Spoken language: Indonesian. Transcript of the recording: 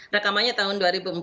rekamannya tahun dua ribu empat